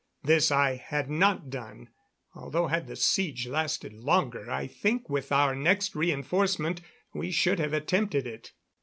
This I had not done, although had the siege lasted longer I think with our next reënforcement we should have attempted it.